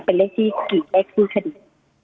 เป็นเลขที่กี่เลขสู้คดี